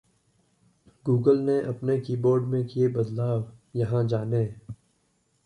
Google ने अपने keyboard में किए बदलाव, यहां जानें